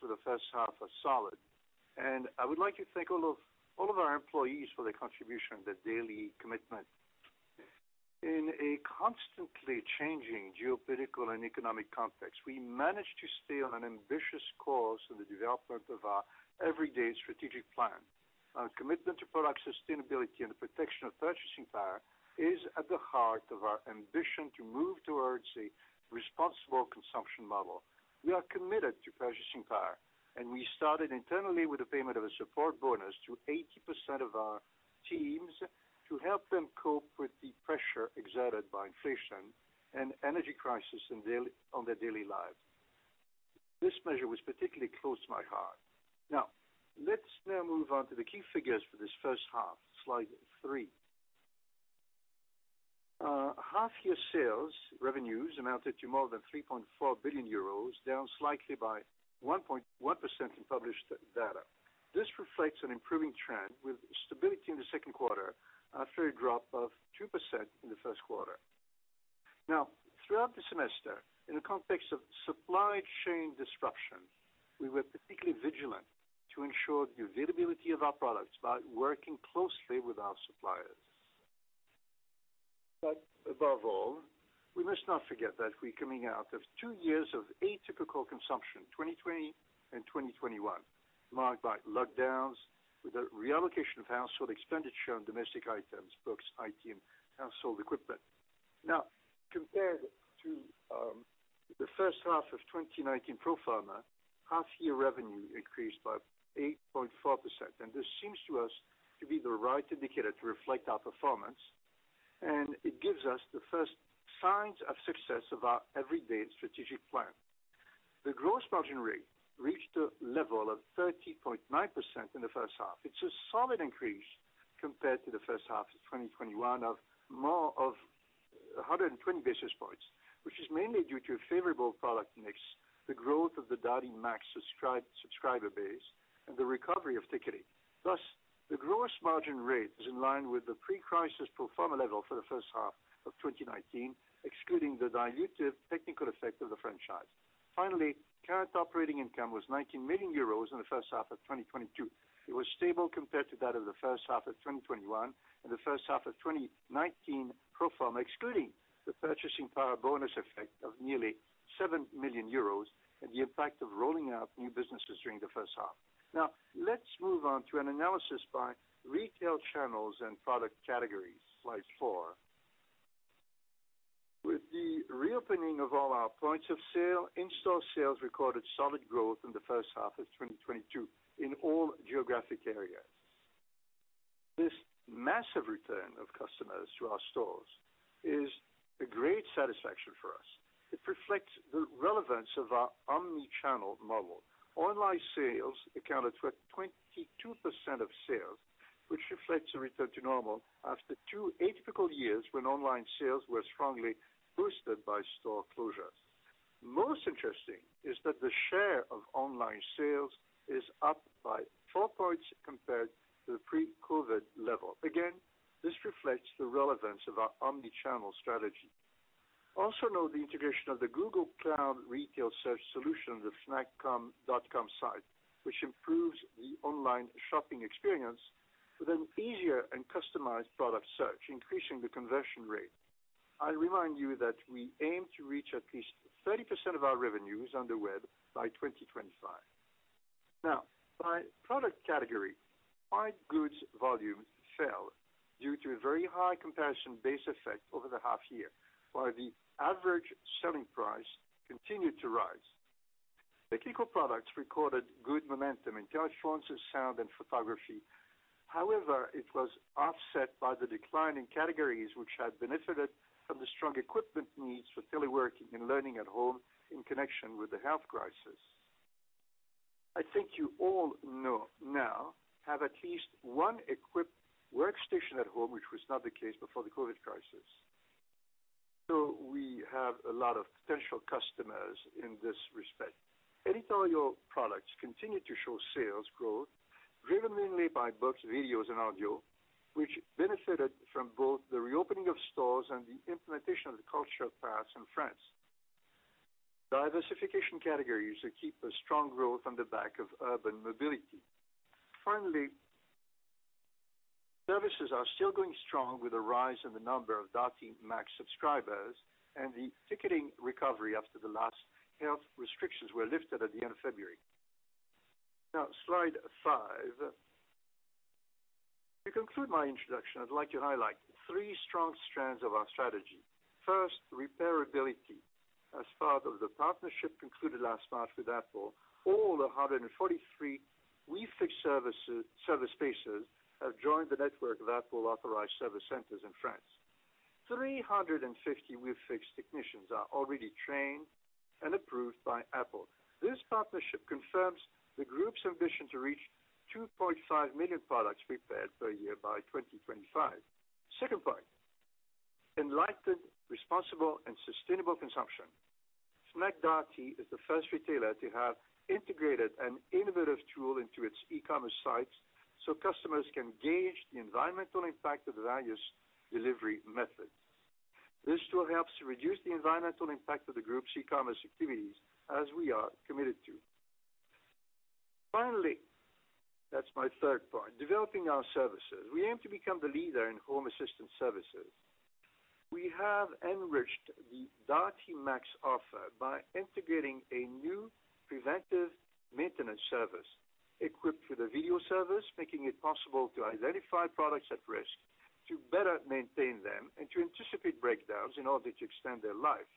The first half was solid, and I would like to thank all of our employees for their contribution, their daily commitment. In a constantly changing geopolitical and economic context, we managed to stay on an ambitious course in the development of our Everyday strategic plan. Our commitment to product sustainability and the protection of purchasing power is at the heart of our ambition to move towards a responsible consumption model. We are committed to purchasing power, and we started internally with the payment of a support bonus to 80% of our teams to help them cope with the pressure exerted by inflation and energy crisis on their daily lives. This measure was particularly close to my heart. Now, let's move on to the key figures for this first half, slide three. Half-year sales revenues amounted to more than 3.4 billion euros, down slightly by 1.1% in published data. This reflects an improving trend with stability in Q2 after a drop of 2% in Q1. Now, throughout the semester, in the context of supply chain disruption, we were particularly vigilant to ensure the availability of our products by working closely with our suppliers. Above all, we must not forget that we're coming out of two years of atypical consumption, 2020 and 2021, marked by lockdowns with a reallocation of household expenditure on domestic items, books, IT, and household equipment. Now, compared to the first half of 2019 pro forma, half-year revenue increased by 8.4%. This seems to us to be the right indicator to reflect our performance, and it gives us the first signs of success of our Everyday strategic plan. The gross margin rate reached a level of 30.9% in the first half. It's a solid increase compared to the first half of 2021 of more than 120 basis points, which is mainly due to favorable product mix, the growth of the Darty Max subscriber base, and the recovery of ticketing. Thus, the gross margin rate is in line with the pre-crisis pro forma level for the first half of 2019, excluding the dilutive technical effect of the franchise. Finally, current operating income was 19 million euros in the first half of 2022. It was stable compared to that of the first half of 2021 and the first half of 2019 pro forma, excluding the purchasing power bonus effect of nearly 7 million euros and the impact of rolling out new businesses during the first half. Now, let's move on to an analysis by retail channels and product categories, slide four. With the reopening of all our points of sale, in-store sales recorded solid growth in the first half of 2022 in all geographic areas. This massive return of customers to our stores is a great satisfaction for us. It reflects the relevance of our omni-channel model. Online sales accounted for 22% of sales, which reflects a return to normal after two atypical years when online sales were strongly boosted by store closures. Most interesting is that the share of online sales is up by four points compared to the pre-COVID level. Again, this reflects the relevance of our omni-channel strategy. Also note the integration of the Google Cloud Retail Search solution, the Fnac.com site, which improves the online shopping experience with an easier and customized product search, increasing the conversion rate. I remind you that we aim to reach at least 30% of our revenues on the web by 2025. Now, by product category, hard goods volume fell due to a very high comparison base effect over the half year, while the average selling price continued to rise. Technical products recorded good momentum in teleconference, sound, and photography. However, it was offset by the decline in categories which had benefited from the strong equipment needs for teleworking and learning at home in connection with the health crisis. I think you all know, now have at least one equipped workstation at home, which was not the case before the COVID crisis. We have a lot of potential customers in this respect. Editorial products continue to show sales growth, driven mainly by books, videos and audio, which benefited from both the reopening of stores and the implementation of the Pass Culture in France. Diversification categories keep a strong growth on the back of urban mobility. Finally, services are still going strong with a rise in the number of Darty Max subscribers and the ticketing recovery after the last health restrictions were lifted at the end of February. Now Slide five. To conclude my introduction, I'd like to highlight three strong strands of our strategy. First, repairability. As part of the partnership concluded last March with Apple, all the 143 WeFix service spaces have joined the network of Apple-authorized service centers in France. 350 WeFix technicians are already trained and approved by Apple. This partnership confirms the group's ambition to reach 2.5 million products repaired per year by 2025. Second point, enlightened, responsible and sustainable consumption. Fnac Darty is the first retailer to have integrated an innovative tool into its e-commerce sites so customers can gauge the environmental impact of the various delivery methods. This tool helps reduce the environmental impact of the group's e-commerce activities as we are committed to. Finally, that's my third point, developing our services. We aim to become the leader in home assistant services. We have enriched the Darty Max offer by integrating a new preventive maintenance service equipped with a video service, making it possible to identify products at risk, to better maintain them, and to anticipate breakdowns in order to extend their life.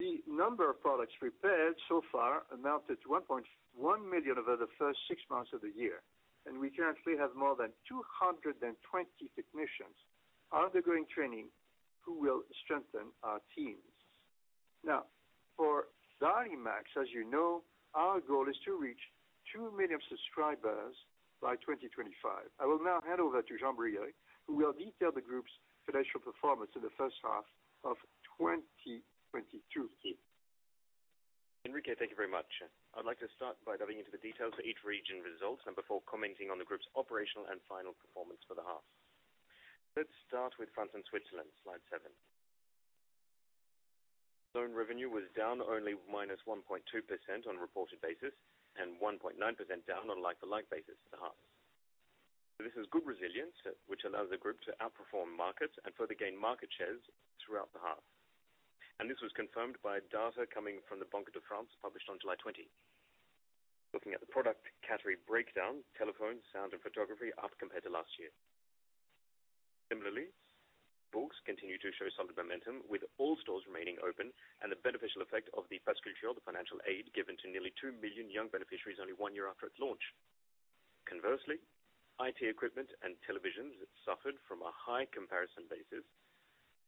The number of products repaired so far amounted to 1.1 million over the first six months of the year, and we currently have more than 220 technicians undergoing training who will strengthen our teams. Now, for Darty Max, as you know, our goal is to reach two million subscribers by 2025. I will now hand over to Jean-Brieuc Le Tinier, who will detail the group's financial performance in the first half of 2022. Enrique, thank you very much. I'd like to start by diving into the details for each region results and before commenting on the group's operational and final performance for the half. Let's start with France and Switzerland. Slide seven. Like revenue was down only -1.2% on a reported basis and 1.9% down on like-for-like basis for the half. This is good resilience which allows the group to outperform markets and further gain market shares throughout the half. This was confirmed by data coming from the Banque de France, published on July 20. Looking at the product category breakdown, telephone, sound and photography up compared to last year. Similarly, books continue to show solid momentum, with all stores remaining open and the beneficial effect of the Pass Culture, the financial aid given to nearly two million young beneficiaries only one year after its launch. Conversely, IT equipment and televisions suffered from a high comparison basis,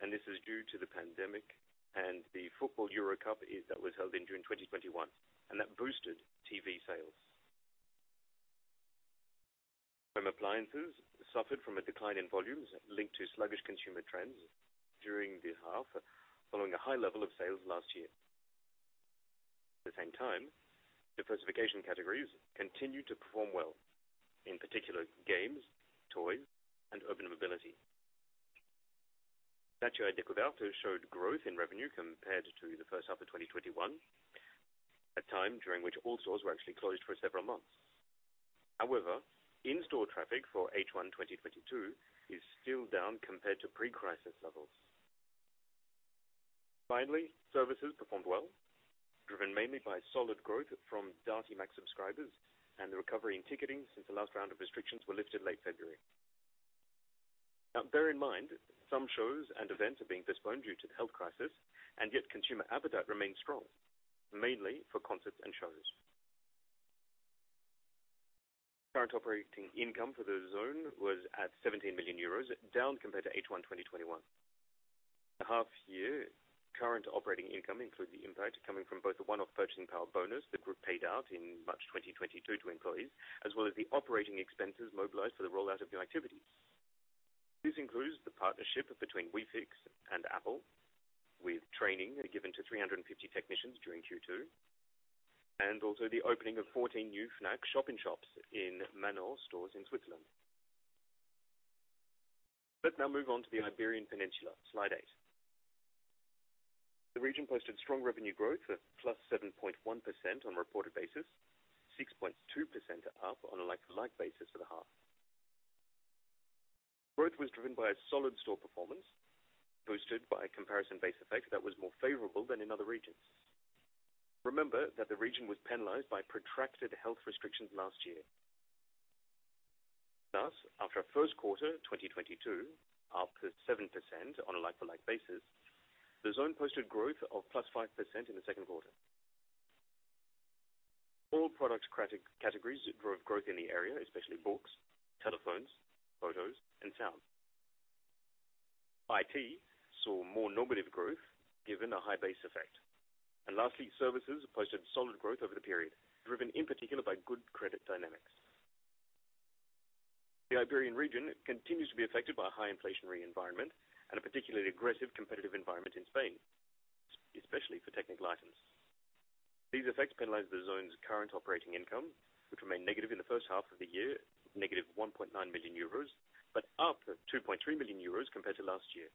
and this is due to the pandemic and the football Euro Cup that was held in June 2021, and that boosted TV sales. Home appliances suffered from a decline in volumes linked to sluggish consumer trends during the half, following a high level of sales last year. At the same time, diversification categories continued to perform well, in particular games, toys and urban mobility. Nature & Découvertes showed growth in revenue compared to the first half of 2021, a time during which all stores were actually closed for several months. However, in-store traffic for H1 2022 is still down compared to pre-crisis levels. Finally, services performed well, driven mainly by solid growth from Darty Max subscribers and the recovery in ticketing since the last round of restrictions were lifted late February. Now bear in mind some shows and events are being postponed due to the health crisis, and yet consumer appetite remains strong, mainly for concerts and shows. Current operating income for the zone was at 17 million euros, down compared to H1 2021. The half year current operating income includes the impact coming from both the one off purchasing power bonus the group paid out in March 2022 to employees, as well as the operating expenses mobilized for the rollout of new activities. This includes the partnership between WeFix and Apple, with training given to 350 technicians during Q2, and also the opening of 14 new Fnac shop-in-shops in Manor stores in Switzerland. Let's now move on to the Iberian Peninsula. Slide eight. The region posted strong revenue growth of +7.1% on a reported basis, 6.2% up on a like-for-like basis for the half. Growth was driven by a solid store performance boosted by comparison base effect that was more favorable than in other regions. Remember that the region was penalized by protracted health restrictions last year. Thus, after Q1 2022, up to 7% on a like-for-like basis, the zone posted growth of +5% in Q2. All product categories drove growth in the area, especially books, telephones, photos and sound. IT saw more moderate growth given the high base effect. Lastly, services posted solid growth over the period, driven in particular by good credit dynamics. The Iberian region continues to be affected by a high inflationary environment and a particularly aggressive competitive environment in Spain, especially for technical items. These effects penalize the zone's current operating income, which remained negative in the first half of the year, -1.9 million euros, but up from 2.3 million compared to last year.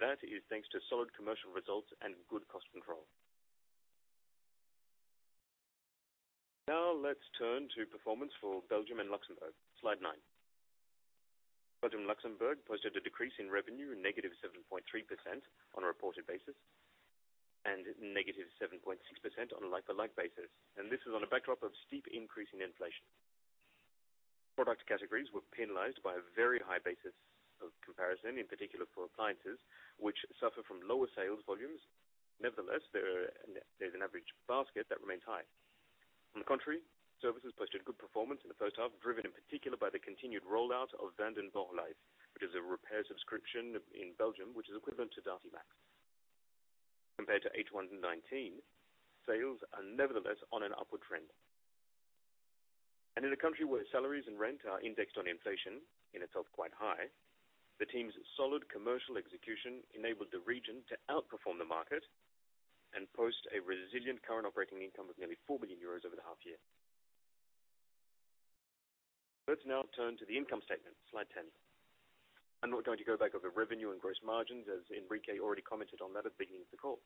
That is thanks to solid commercial results and good cost control. Now let's turn to performance for Belgium and Luxembourg. Slide nine. Belgium and Luxembourg posted a decrease in revenue, -7.3% on a reported basis and -7.6% on a like-for-like basis. This is on a backdrop of steep increase in inflation. Product categories were penalized by a very high basis of comparison, in particular for appliances which suffer from lower sales volumes. Nevertheless, there's an average basket that remains high. On the contrary, services posted good performance in the first half, driven in particular by the continued rollout of Vanden Borre Life, which is a repair subscription in Belgium, which is equivalent to Darty Max. Compared to H1 2019, sales are nevertheless on an upward trend. In a country where salaries and rent are indexed on inflation, in itself quite high, the team's solid commercial execution enabled the region to outperform the market and post a resilient current operating income of nearly 4 million euros over the half year. Let's now turn to the income statement, slide 10. I'm not going to go back over revenue and gross margins, as Enrique already commented on that at the beginning of the call.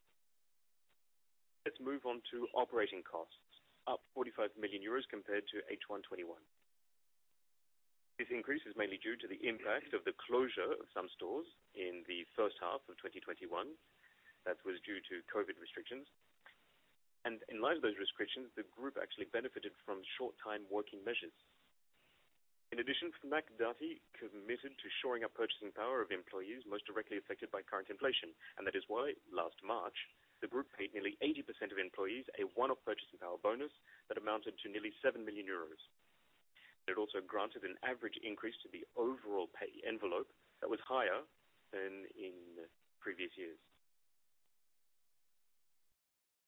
Let's move on to operating costs, up 45 million euros compared to H1 2021.This increase is mainly due to the impact of the closure of some stores in the first half of 2021. That was due to COVID restrictions. In light of those restrictions, the group actually benefited from short time working measures. In addition, Fnac Darty committed to shoring up purchasing power of employees most directly affected by current inflation. That is why last March, the group paid nearly 80% of employees a one-off purchasing power bonus that amounted to nearly 7 million euros. It also granted an average increase to the overall pay envelope that was higher than in previous years.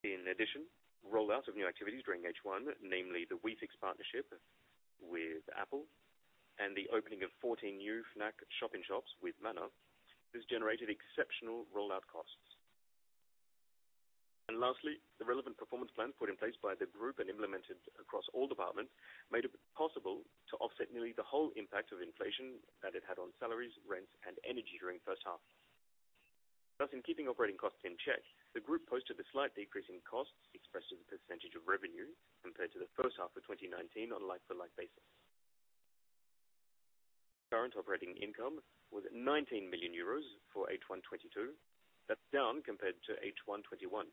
In addition, rollout of new activities during H1, namely the WeFix partnership with Apple and the opening of 14 new Fnac shop-in-shops with Manor, has generated exceptional rollout costs. Lastly, the relevant performance plan put in place by the group and implemented across all departments made it possible to offset nearly the whole impact of inflation that it had on salaries, rents and energy during the first half. Thus, in keeping operating costs in check, the group posted a slight decrease in costs expressed as a percentage of revenue compared to the first half of 2019 on a like-for-like basis. Current operating income was 19 million euros for H1 2022. That's down compared to H1 2021.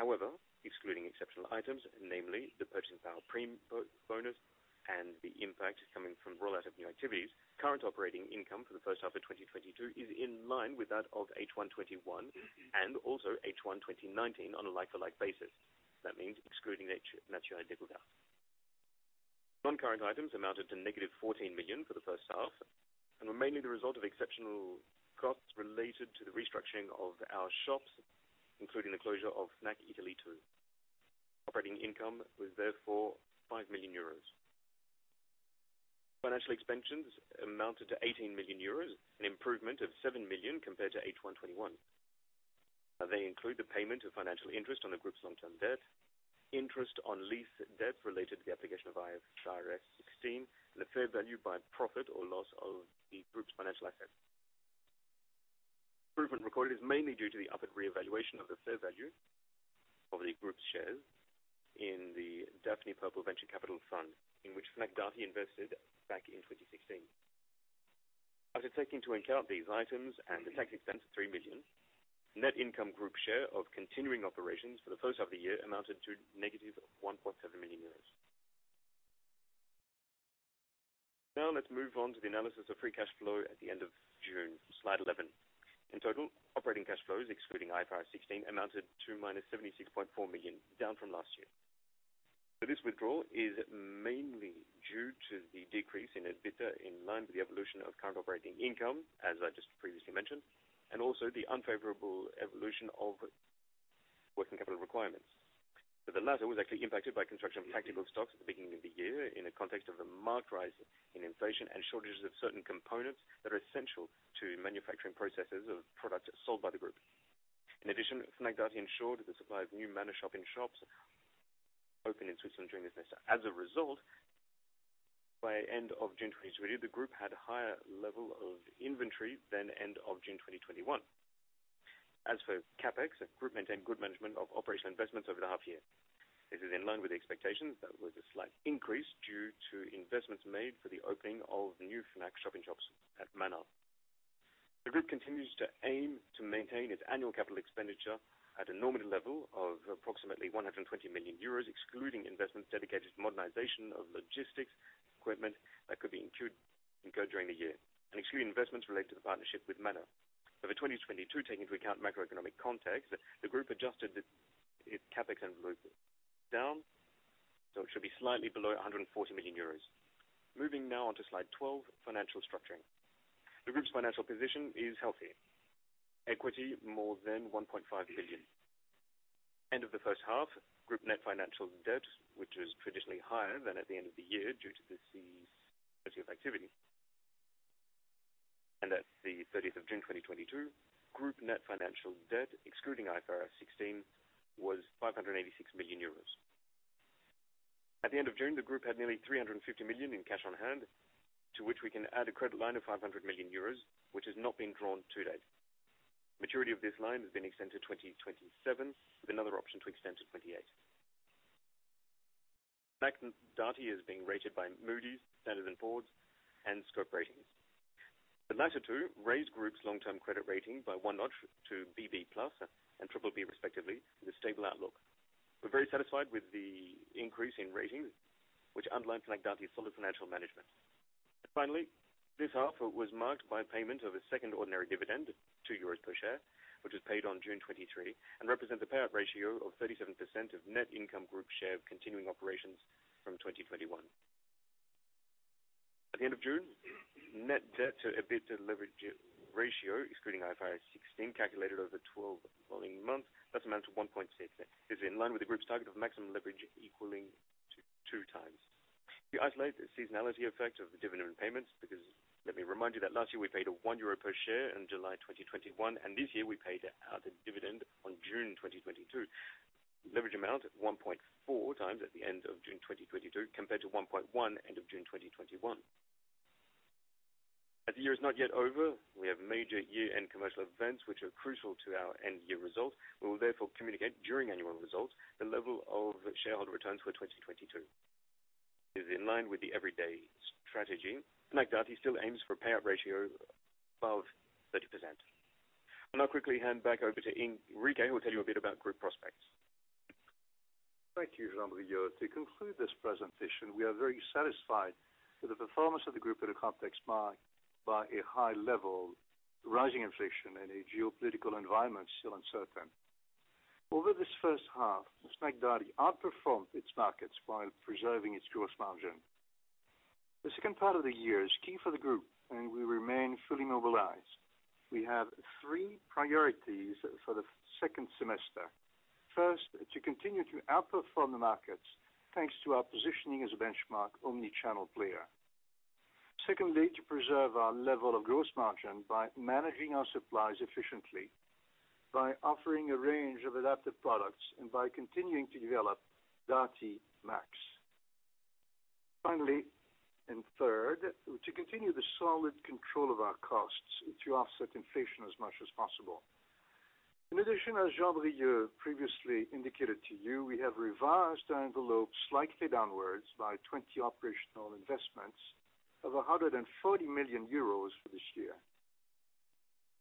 However, excluding exceptional items, namely the purchasing power premium bonus and the impact coming from rollout of new activities, current operating income for the first half of 2022 is in line with that of H1 2021 and also H1 2019 on a like-for-like basis. That means excluding Nature & Découvertes. Non-current items amounted to -14 million for the first half and were mainly the result of exceptional costs related to the restructuring of our shops, including the closure of Fnac Italia too. Operating income was therefore 5 million euros. Financial expenses amounted to 18 million euros, an improvement of 7 million compared to H1 2021. They include the payment of financial interest on the group's long-term debt, interest on lease debt related to the application of IFRS 16, and the fair value through profit or loss of the group's financial assets. Improvement recorded is mainly due to the upward reevaluation of the fair value of the group's shares in the Daphni Purple Venture Capital Fund, in which Fnac Darty invested back in 2016. After taking into account these items and the tax expense of 3 million, net income group share of continuing operations for the first half of the year amounted to -1.7 million euros. Now let's move on to the analysis of free cash flow at the end of June. Slide 11. In total operating cash flows excluding IFRS 16 amounted to -76.4 million, down from last year. This withdrawal is mainly due to the decrease in EBITDA in line with the evolution of current operating income, as I just previously mentioned, and also the unfavorable evolution of working capital requirements. The latter was actually impacted by construction of tactical stocks at the beginning of the year in the context of a marked rise in inflation and shortages of certain components that are essential to manufacturing processes of products sold by the group. In addition, Fnac Darty ensured the supply of new Manor shop-in-shops opened in Switzerland during this semester. As a result, by end of June 2022, the group had a higher level of inventory than end of June 2021. As for CapEx, the group maintained good management of operational investments over the half year. This is in line with the expectations. That was a slight increase due to investments made for the opening of new Fnac shop-in-shops at Manor. The group continues to aim to maintain its annual capital expenditure at a nominal level of approximately 120 million euros, excluding investments dedicated to modernization of logistics equipment that could be included during the year and excluding investments related to the partnership with Manor. Over 2022, taking into account macroeconomic context, the group adjusted its CapEx envelope down, so it should be slightly below 140 million euros. Moving now on to slide 12, financial structuring. The group's financial position is healthy. Equity more than 1.5 billion. End of the first half, group net financial debt, which was traditionally higher than at the end of the year due to the seasonality of activity. At June 30 2022, group net financial debt excluding IFRS 16 was 586 million euros. At the end of June, the group had nearly 350 million in cash on hand, to which we can add a credit line of 500 million, which has not been drawn to date. Maturity of this line has been extended to 2027, with another option to extend to 2028. Fnac Darty is being rated by Moody's, Standard & Poor's, and Scope Ratings. The latter two raised group's long term credit rating by one notch to BB+ and BBB respectively with a stable outlook. We're very satisfied with the increase in ratings which underline Fnac Darty's solid financial management. Finally, this half was marked by payment of a second ordinary dividend of 2 euros per share, which was paid on June 23 and represents a payout ratio of 37% of net income group share of continuing operations from 2021. At the end of June, net debt to EBITDA leverage ratio excluding IFRS 16 calculated over the 12 following months, that's amounted to 1.6. This is in line with the group's target of maximum leverage equaling to 2x. You isolate the seasonality effect of the dividend payments because let me remind you that last year we paid a 1 euro per share in July 2021, and this year we paid out a dividend on June 2022. Leverage amount at 1.4x at the end of June 2022 compared to 1.1 end of June 2021. As the year is not yet over, we have major year-end commercial events which are crucial to our end-year results. We will therefore communicate during annual results the level of shareholder returns for 2022. Is in line with the Everyday strategy. Fnac Darty still aims for payout ratio above 30%. I'll now quickly hand back over to Enrique, who will tell you a bit about group prospects. Thank you, Jean-Brieuc Le Tinier. To conclude this presentation, we are very satisfied with the performance of the group in a complex market with high levels of rising inflation in a geopolitical environment still uncertain. Over this first half, Fnac Darty outperformed its markets while preserving its gross margin. The second part of the year is key for the group, and we remain fully mobilized. We have three priorities for the second semester. First, to continue to outperform the markets, thanks to our positioning as a benchmark omni-channel player. Secondly, to preserve our level of gross margin by managing our supplies efficiently, by offering a range of adaptive products, and by continuing to develop Darty Max. Finally, and third, to continue the solid control of our costs to offset inflation as much as possible. In addition, as Jean-Brieuc Le Tinier previously indicated to you, we have revised our envelope slightly downwards by 20 operational investments of 140 million euros for this year.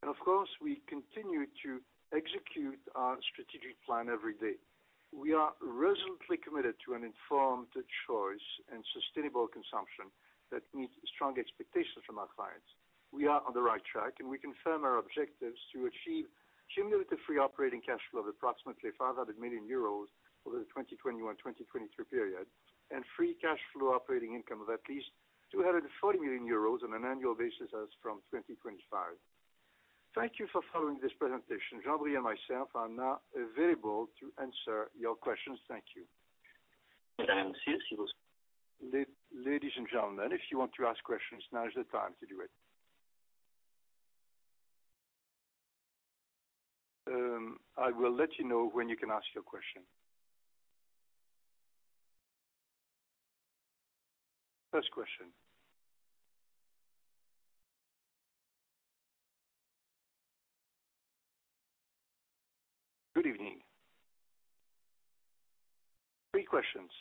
Of course, we continue to execute our strategic plan everyday. We are resolutely committed to an informed choice and sustainable consumption that meets strong expectations from our clients. We are on the right track, and we confirm our objectives to achieve cumulative free operating cash flow of approximately 500 million euros over the 2021, 2022 period, and free cash flow operating income of at least 240 million euros on an annual basis as from 2025. Thank you for following this presentation. Jean-Brieuc Le Tinier and myself are now available to answer your questions. Thank you. Ladies and gentlemen, if you want to ask questions, now is the time to do it. I will let you know when you can ask your question. First question. Good evening. Three questions.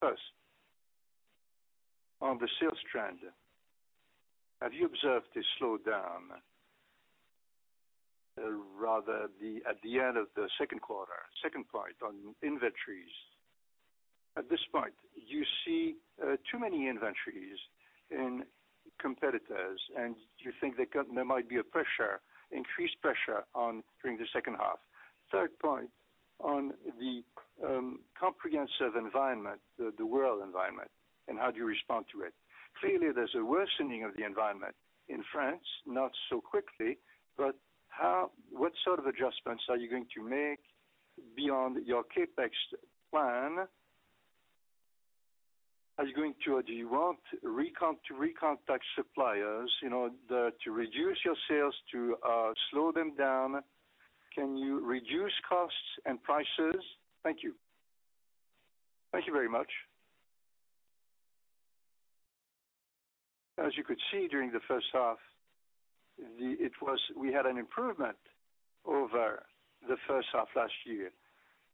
First, on the sales trend, have you observed a slowdown at the end of Q2, second part on inventories? At this point, you see too many inventories in competitors, and you think there might be a pressure, increased pressure on pricing during the second half. Third point, on the comprehensive environment, the world environment, and how do you respond to it? Clearly, there's a worsening of the environment in France, not so quickly, but what sort of adjustments are you going to make beyond your CapEx plan? Are you going to or do you want to recontact suppliers, you know, to reduce your sales, to slow them down? Can you reduce costs and prices? Thank you. Thank you very much. As you could see during the first half, we had an improvement over the first half last year.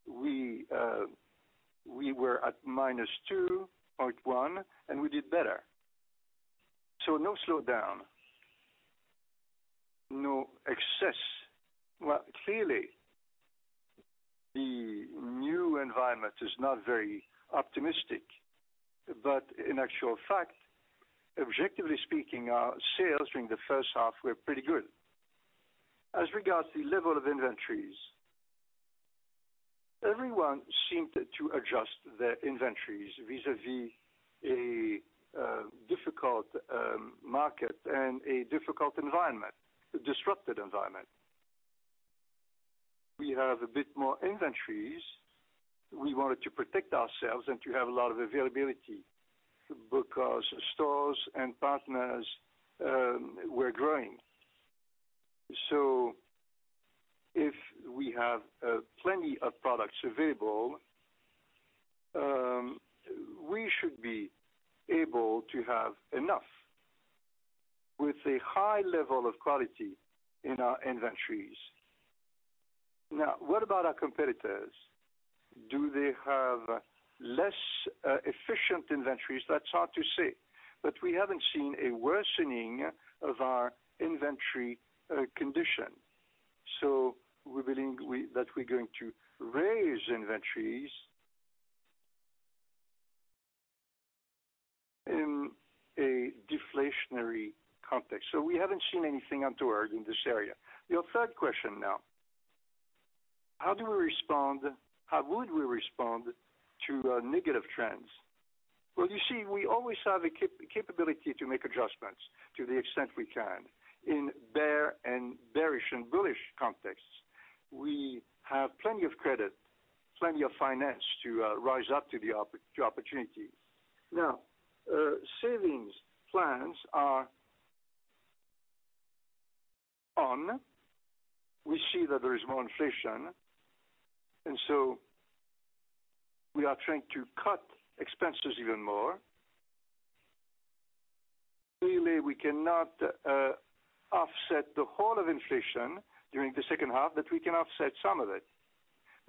We were at -2.1%, and we did better. No slowdown. No excess. Well, clearly, the new environment is not very optimistic, but in actual fact, objectively speaking, our sales during the first half were pretty good. As regards to the level of inventories, everyone seemed to adjust their inventories vis-à-vis a difficult market and a difficult environment, a disrupted environment. We have a bit more inventories. We wanted to protect ourselves and to have a lot of availability because stores and partners were growing. If we have plenty of products available, we should be able to have enough with a high level of quality in our inventories. Now, what about our competitors? Do they have less efficient inventories? That's hard to say, but we haven't seen a worsening of our inventory condition. We believe that we're going to raise inventories in a deflationary context. We haven't seen anything untoward in this area. Your third question now. How would we respond to negative trends? Well, you see, we always have a capability to make adjustments to the extent we can in bearish and bullish contexts. We have plenty of credit, plenty of finance to rise up to the opportunity. Now, savings plans are on, we see that there is more inflation, and so we are trying to cut expenses even more. Clearly, we cannot offset the whole of inflation during the second half, but we can offset some of it.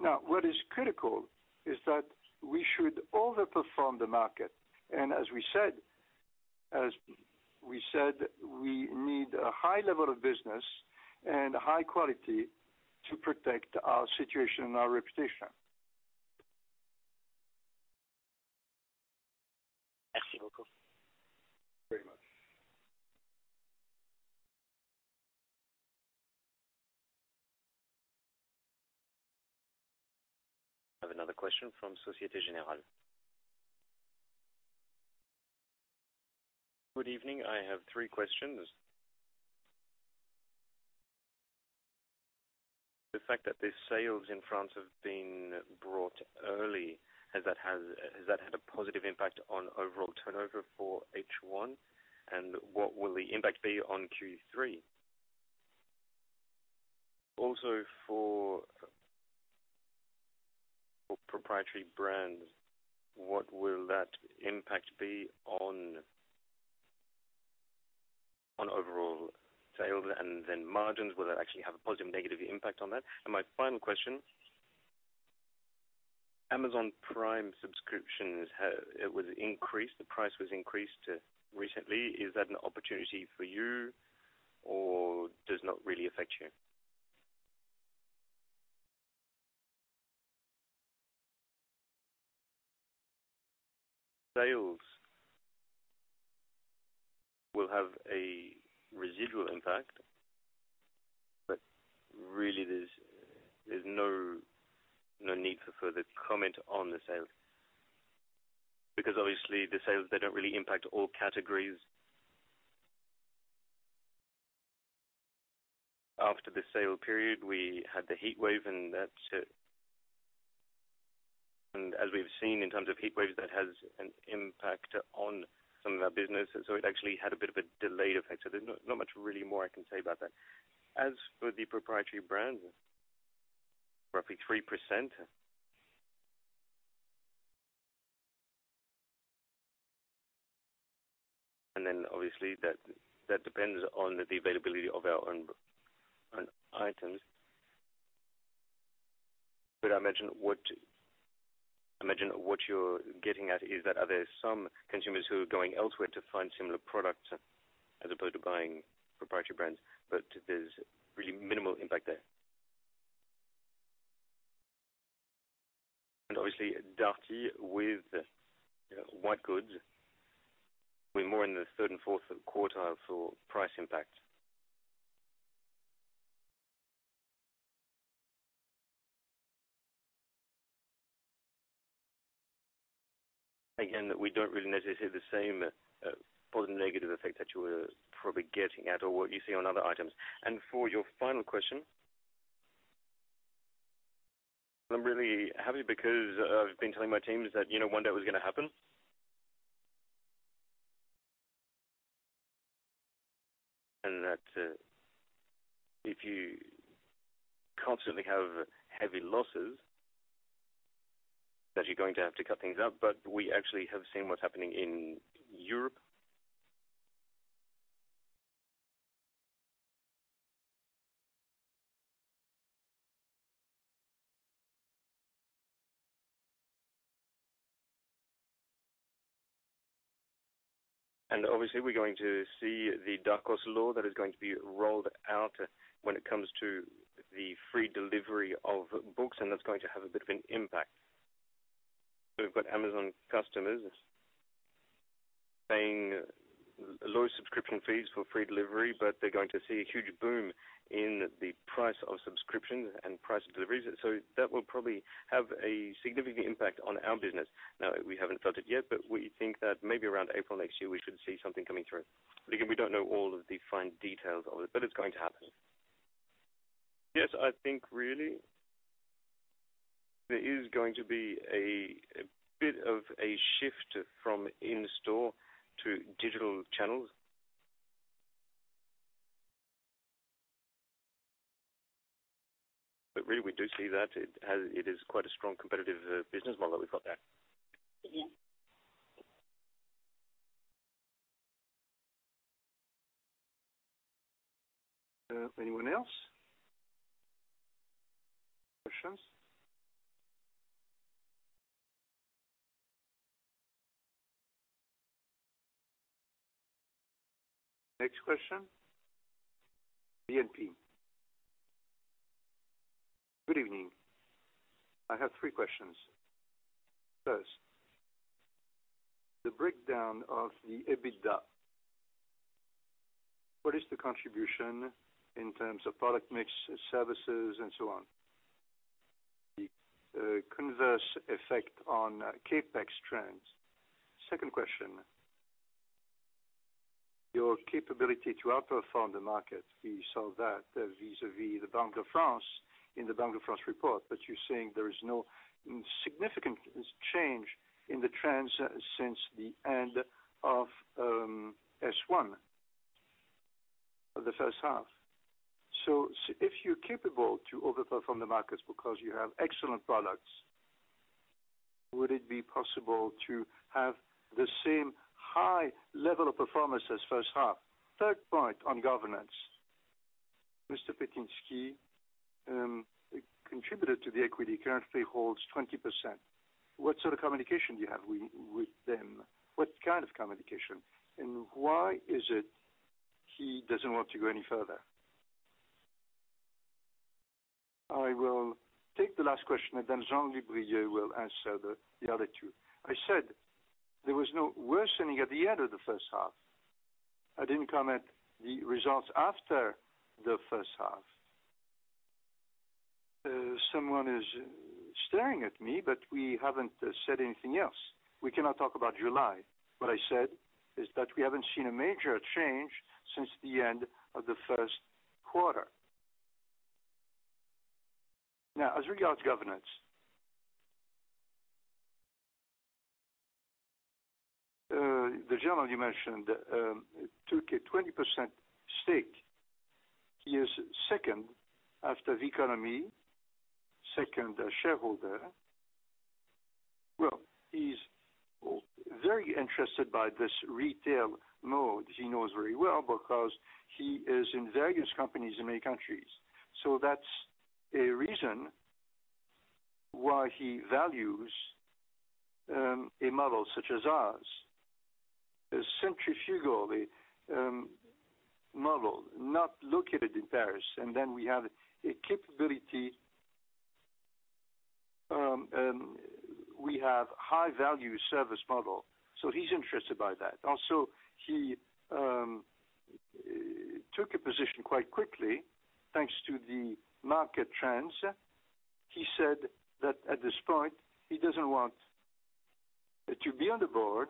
Now, what is critical is that we should overperform the market. As we said, we need a high level of business and high quality to protect our situation and our reputation. Very much. I have another question from Société Générale. Good evening. I have three questions. The fact that the sales in France have been brought early, has that had a positive impact on overall turnover for H1? And what will the impact be on Q3? Also for proprietary brands, what will that impact be on overall sales and then margins? Will it actually have a positive, negative impact on that? My final question, Amazon Prime subscriptions it was increased, the price was increased recently. Is that an opportunity for you or does it not really affect you? Sales will have a residual impact, but really there's no need for further comment on the sales. Because obviously the sales, they don't really impact all categories. After the sale period, we had the heat wave and that. As we've seen in terms of heat waves, that has an impact on some of our business. It actually had a bit of a delayed effect. There's not much really more I can say about that. As for the proprietary brands, roughly 3%. Then obviously that depends on the availability of our own items. I imagine what you're getting at is that are there some consumers who are going elsewhere to find similar products as opposed to buying proprietary brands, but there's really minimal impact there. Obviously, Darty with white goods, we're more in the third and fourth quartile for price impact. Again, we don't really necessarily see the same, positive, negative effect that you were probably getting at or what you see on other items. For your final question. I'm really happy because I've been telling my teams that, you know, one day it was gonna happen. That, if you constantly have heavy losses, that you're going to have to cut things up. We actually have seen what's happening in Europe. Obviously we're going to see the Darcos law that is going to be rolled out when it comes to the free delivery of books, and that's going to have a bit of an impact. We've got Amazon customers paying low subscription fees for free delivery, but they're going to see a huge boom in the price of subscriptions and price of deliveries. That will probably have a significant impact on our business. Now, we haven't felt it yet, but we think that maybe around April next year, we should see something coming through. Again, we don't know all of the fine details of it, but it's going to happen. Yes, I think really there is going to be a bit of a shift from in-store to digital channels. Really we do see that it is quite a strong competitive business model that we've got there. Anyone else? Questions? Next question, BNP. Good evening. I have three questions. First, the breakdown of the EBITDA. What is the contribution in terms of product mix, services, and so on? The adverse effect on CapEx trends. Second question, your capability to outperform the market, we saw that vis-à-vis the Banque de France. In the Banque de France report, but you're saying there is no significant change in the trends since the end of H1, the first half. If you're capable to outperform the markets because you have excellent products, would it be possible to have the same high level of performance as first half? Third point on governance. Mr. Křetínský contributed to the equity, currently holds 20%. What sort of communication do you have with them? What kind of communication, and why is it he doesn't want to go any further? I will take the last question, and then Jean-Brieuc Le Tinier will answer the other two. I said there was no worsening at the end of the first half. I didn't comment on the results after the first half. Someone is staring at me, but we haven't said anything else. We cannot talk about July. What I said is that we haven't seen a major change since the end of Q1. Now, as regards governance. The gentleman you mentioned took a 20% stake. He is second after Vesa, second shareholder. Well, he's very interested in this retail model. He knows very well because he is in various companies in many countries. So that's a reason why he values a model such as ours. A centrifugal model, not located in Paris. We have high value service model, so he's interested by that. Also, he took a position quite quickly, thanks to the market trends. He said that at this point, he doesn't want to be on the board,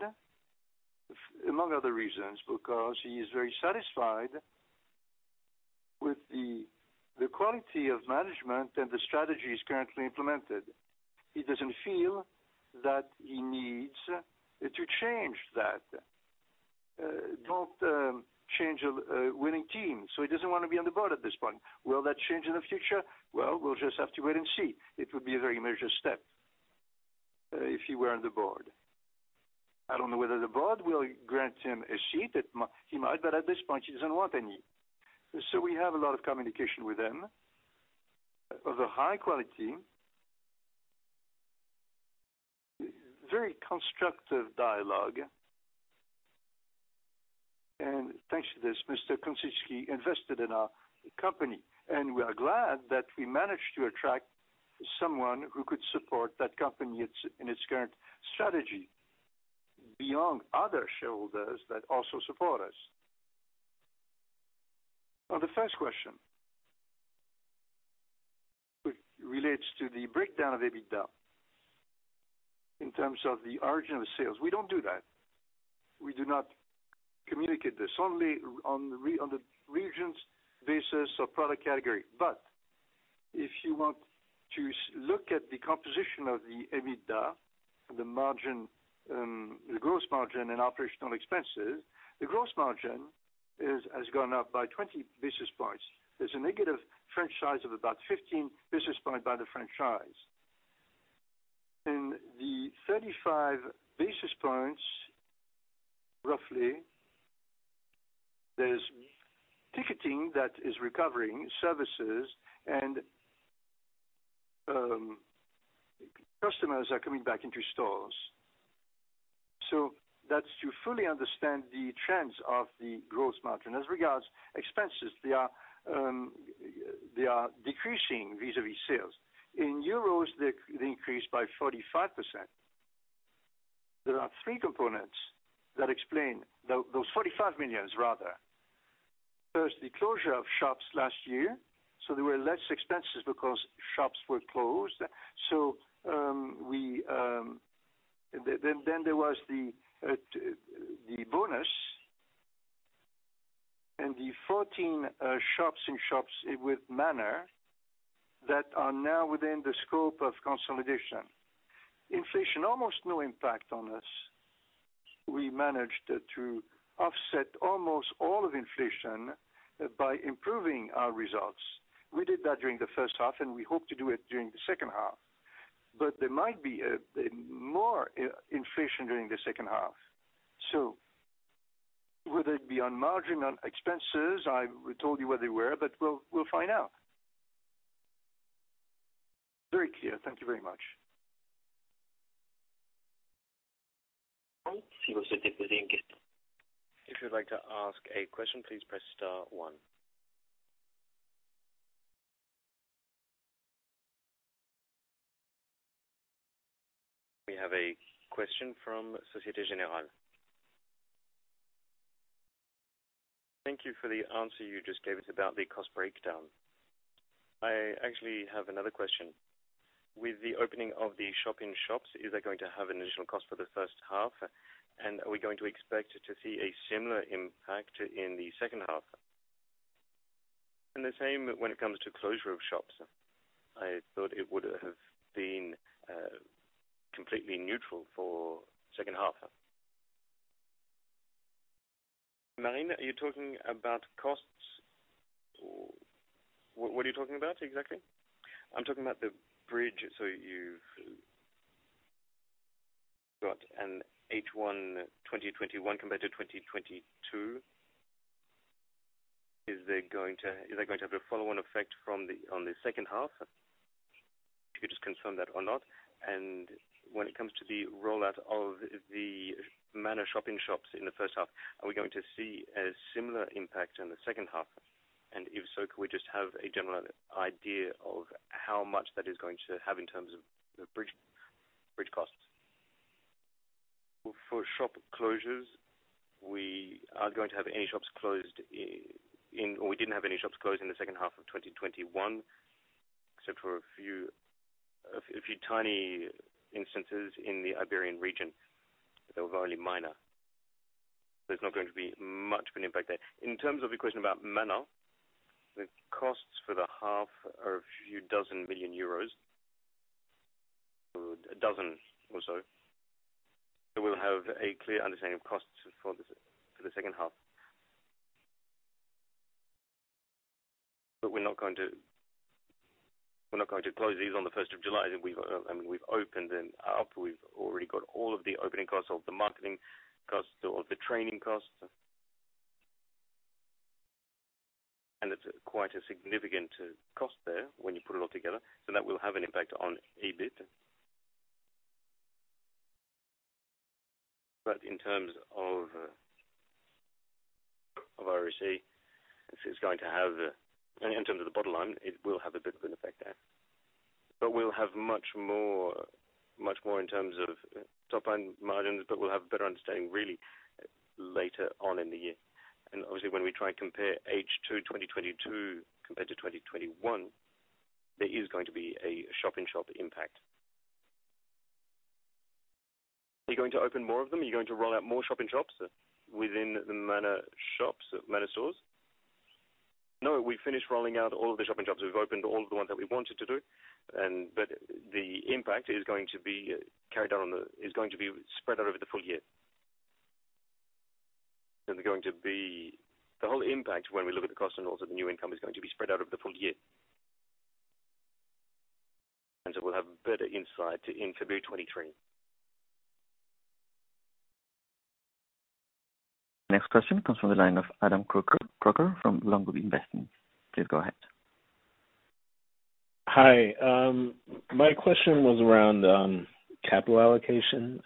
among other reasons, because he is very satisfied with the quality of management and the strategies currently implemented. He doesn't feel that he needs to change that. Don't change a winning team, so he doesn't want to be on the board at this point. Will that change in the future? Well, we'll just have to wait and see. It would be a very measured step if he were on the board. I don't know whether the board will grant him a seat. He might, but at this point, he doesn't want any. We have a lot of communication with him of a high quality. Very constructive dialogue. Thanks to this, Mr. Křetínský invested in our company, and we are glad that we managed to attract someone who could support that company in its current strategy, beyond other shareholders that also support us. On the first question, which relates to the breakdown of EBITDA in terms of the origin of sales. We don't do that. We do not communicate this, only on the regions basis or product category. If you want to look at the composition of the EBITDA, the margin, the gross margin and operational expenses, the gross margin has gone up by 20 basis points. There's a negative franchise of about 15 basis points by the franchise. In the 35 basis points, roughly, there's ticketing that is recovering, services and customers are coming back into stores. That's to fully understand the trends of the gross margin. As regards expenses, they are decreasing vis-à-vis sales. In euros, they increased by 45%. There are three components that explain those 45 million, rather. First, the closure of shops last year, there were less expenses because shops were closed. Then there was the bonus and the 14 shops and shops with Manor that are now within the scope of consolidation. Inflation, almost no impact on us. We managed to offset almost all of inflation by improving our results. We did that during the first half, and we hope to do it during the second half. There might be a more inflation during the second half. Whether it be on margin, on expenses, I told you where they were, but we'll find out. Very clear. Thank you very much. If you would like to ask a question, please press star one. We have a question from Société Générale. Thank you for the answer you just gave us about the cost breakdown. I actually have another question. With the opening of the shop-in-shops, is that going to have an additional cost for the first half? And are we going to expect to see a similar impact in the second half? And the same when it comes to closure of shops. I thought it would have been completely neutral for second half. Anne-Laure, are you talking about costs? What are you talking about exactly? I'm talking about the bridge. So you've got an H1 2021 compared to 2022. Is that going to have a follow on effect from the, on the second half? If you could just confirm that or not. When it comes to the rollout of the Manor shop-in-shops in the first half, are we going to see a similar impact in the second half? If so, could we just have a general idea of how much that is going to have in terms of the bridge costs. For shop closures, we aren't going to have any shops closed in or we didn't have any shops closed in the second half of 2021, except for a few tiny instances in the Iberian region. They were only minor. There's not going to be much of an impact there. In terms of your question about Manor, the costs for the half are a few dozen billion euros. A dozen or so. We'll have a clear understanding of costs for the second half. We're not going to close these on the first of July. I mean, we've opened them up. We've already got all of the opening costs, all of the marketing costs, all of the training costs. It's quite a significant cost there when you put it all together, so that will have an impact on EBIT. In terms of ROCE, this is going to have. In terms of the bottom line, it will have a bit of an effect there. We'll have much more in terms of top line margins, but we'll have a better understanding really later on in the year. Obviously, when we try and compare H2 in 2022 compared to 2021, there is going to be a shop-in-shop impact. Are you going to open more of them? Are you going to roll out more shop-in-shops within the Manor shops, Manor stores? No, we've finished rolling out all of the shop-in-shops. We've opened all the ones that we wanted to do. The impact is going to be spread out over the full year. There's going to be the whole impact when we look at the cost and also the new income is going to be spread out over the full year. We'll have better insight in February 2023. Next question comes from the line of Adam Crocker from Logbook Investments. Please go ahead. Hi. My question was around capital allocation.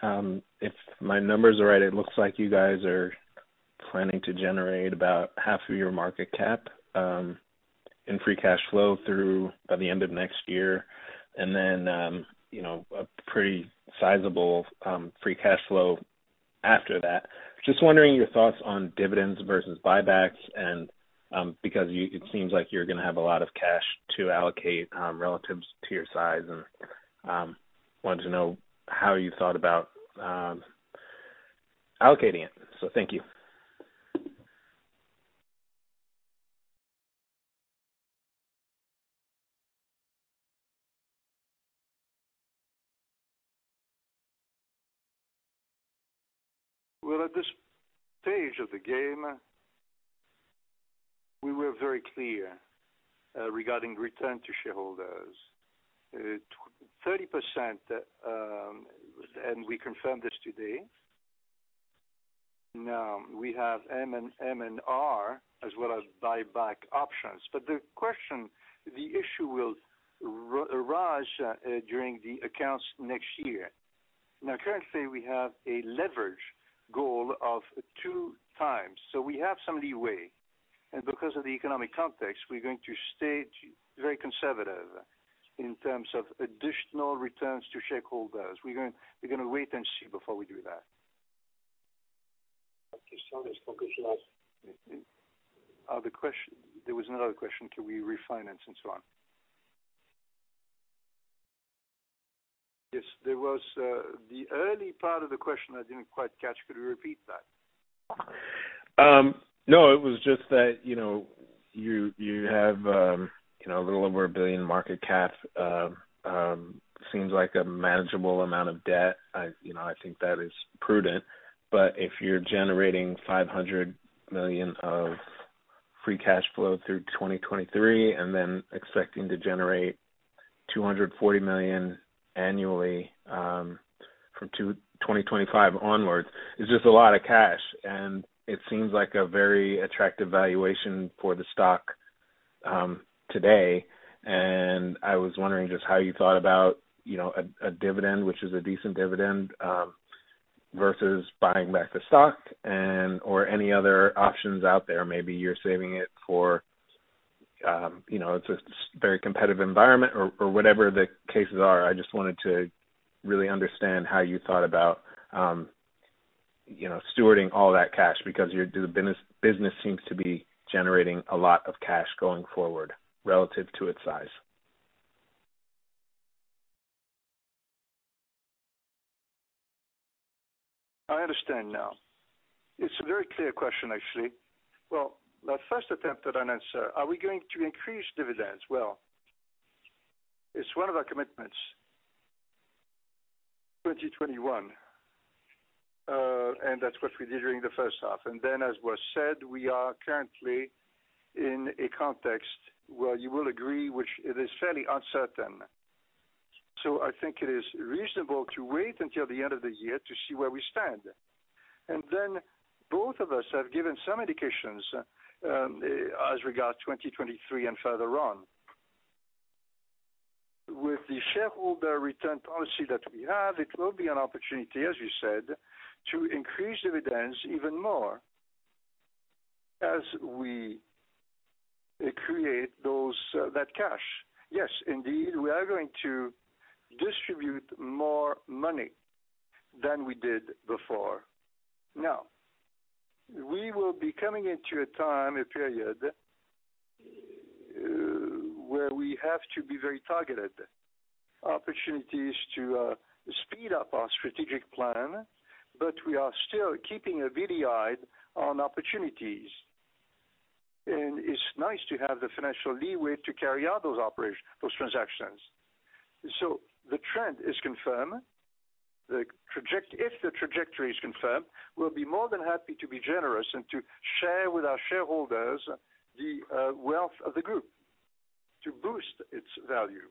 If my numbers are right, it looks like you guys are planning to generate about half of your market cap in free cash flow through by the end of next year. You know, a pretty sizable free cash flow after that. Just wondering your thoughts on dividends versus buybacks and because you, it seems like you're gonna have a lot of cash to allocate relative to your size. Wanted to know how you thought about allocating it. Thank you. Well, at this stage of the game, we were very clear regarding return to shareholders. 30%, and we confirmed this today. Now, we have M&A as well as buyback options. But the question, the issue will rise during the accounts next year. Now, currently, we have a leverage goal of 2x, so we have some leeway. Because of the economic context, we're going to stay very conservative in terms of additional returns to shareholders. We're gonna wait and see before we do that. The question, there was another question, can we refinance and so on? Yes. There was the early part of the question I didn't quite catch. Could you repeat that? No, it was just that, you know, you have a little over 1 billion market cap. Seems like a manageable amount of debt. You know, I think that is prudent. If you're generating 500 million of free cash flow through 2023 and then expecting to generate 240 million annually from 2025 onwards, that is just a lot of cash, and it seems like a very attractive valuation for the stock today. I was wondering just how you thought about, you know, a dividend, which is a decent dividend, versus buying back the stock and/or any other options out there. Maybe you're saving it for, you know, it's a very competitive environment or whatever the cases are. I just wanted to really understand how you thought about, you know, stewarding all that cash because your business seems to be generating a lot of cash going forward relative to its size. I understand now. It's a very clear question, actually. Well, the first attempt at an answer, are we going to increase dividends? Well, it's one of our commitments. 2021, and that's what we did during the first half. As was said, we are currently in a context where you will agree, which it is fairly uncertain. I think it is reasonable to wait until the end of the year to see where we stand. Both of us have given some indications, as regards 2023 and further on. With the shareholder return policy that we have, it will be an opportunity, as you said, to increase dividends even more as we create those that cash. Yes, indeed, we are going to distribute more money than we did before. Now, we will be coming into a time, a period, where we have to be very targeted. Opportunities to speed up our strategic plan, but we are still keeping a very close eye on opportunities. It's nice to have the financial leeway to carry out those transactions. The trend is confirmed. If the trajectory is confirmed, we'll be more than happy to be generous and to share with our shareholders the wealth of the group to boost its value.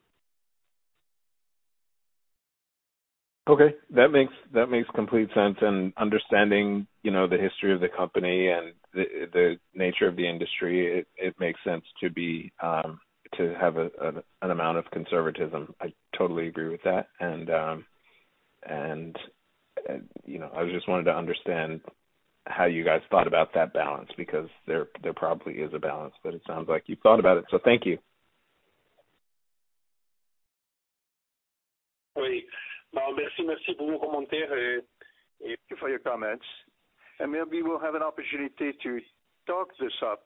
Okay, that makes complete sense. Understanding, you know, the history of the company and the nature of the industry, it makes sense to have an amount of conservatism. I totally agree with that. You know, I just wanted to understand how you guys thought about that balance, because there probably is a balance, but it sounds like you've thought about it. Thank you. Thank you for your comments. Maybe we'll have an opportunity to talk this up.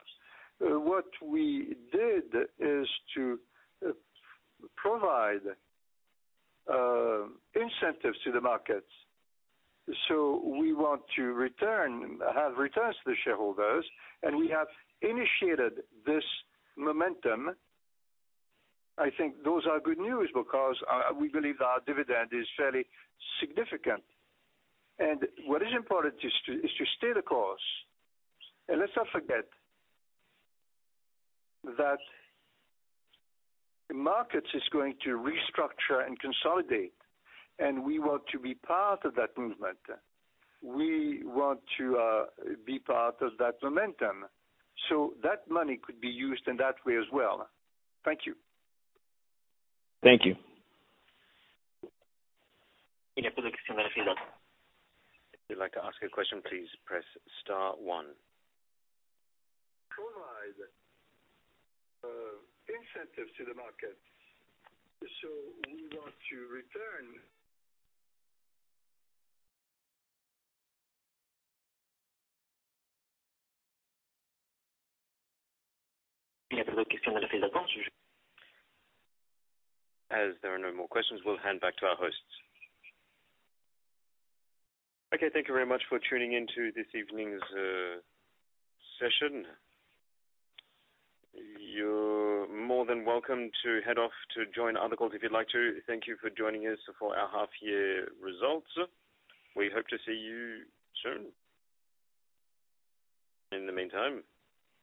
What we did is to provide incentives to the markets. We want to have returns to the shareholders, and we have initiated this momentum. I think those are good news because we believe our dividend is fairly significant. What is important is to stay the course. Let's not forget that the markets is going to restructure and consolidate, and we want to be part of that movement. We want to be part of that momentum. That money could be used in that way as well. Thank you. Thank you. If you'd like to ask a question, please press star one. Provide incentives to the markets. We want to return. As there are no more questions, we'll hand back to our hosts. Okay. Thank you very much for tuning in to this evening's session. You're more than welcome to head off to join other calls if you'd like to. Thank you for joining us for our half year results. We hope to see you soon. In the meantime,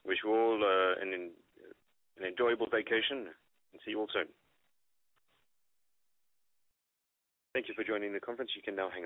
wish you all an enjoyable vacation, and see you all soon. Thank you for joining the conference. You can now hang up.